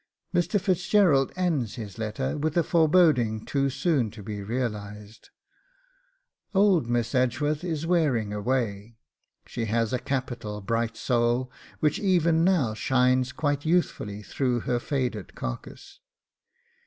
Mr. Fitzgerald ends his letter with a foreboding too soon to be realised: 'Old Miss Edgeworth is wearing away. She has a capital bright soul, which even now shines quite youthfully through her faded carcase.